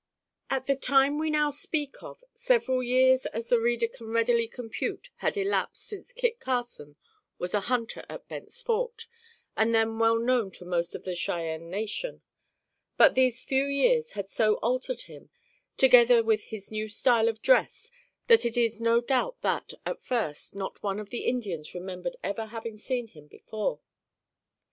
At the time we now speak of, several years, as the reader can readily compute, had elapsed since Kit Carson was a hunter at Bent's Fort, and then well known to most of the Cheyenne nation; but, these few years had so altered him, together with his new style of dress, that it is no doubt that, at first, not one of the Indians remembered ever having seen him before.